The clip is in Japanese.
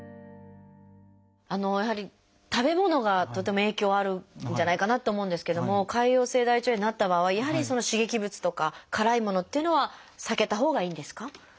やはり食べ物がとても影響あるんじゃないかなって思うんですけども潰瘍性大腸炎になった場合やはり刺激物とか辛いものというのは避けたほうがいいんですか？